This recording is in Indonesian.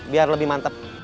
biar lebih mantep